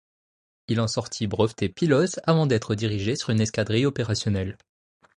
Il en sortit breveté pilote, avant d'être dirigé sur une escadrille opérationnelle.